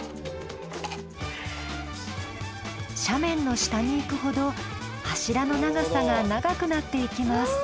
斜面の下にいくほど柱の長さが長くなっていきます。